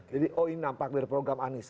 jadi oh ini nampak dari program anies